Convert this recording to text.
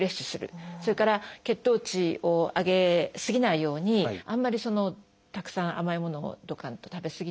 それから血糖値を上げ過ぎないようにあんまりたくさん甘いものとか食べ過ぎない。